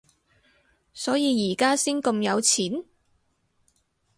所以而家先咁有錢？